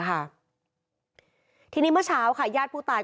คือตอนที่แม่ไปโรงพักที่นั่งอยู่ที่สพ